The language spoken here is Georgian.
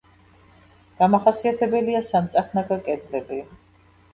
დამახასიათებელია სამწახნაგა კედლები.